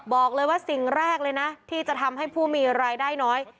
บอกเลยว่าสิ่งแรกเลยนะที่จะทำให้ผู้มีรายได้น้อย